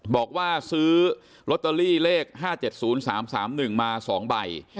บอกว่าซื้อล็อตเตอรี่เลขห้าเจ็ดศูนย์สามสามหนึ่งมาสองใบอืม